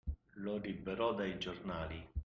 Lo liberò dai giornali.